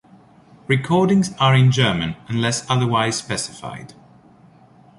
Recordings are in German, unless otherwise specified.